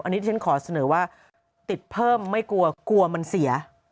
อันนี้ที่ฉันขอเสนอว่าติดเพิ่มไม่กลัวกลัวมันเสีย